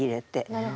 なるほど。